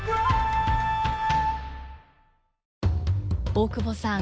大久保さん